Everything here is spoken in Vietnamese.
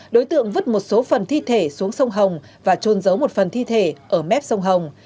đối tượng vứt một số phần thi thể xuống sông hồng và trôn giấu một phần thi thể ở mép sông hồng